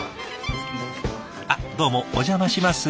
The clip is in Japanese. あっどうもお邪魔します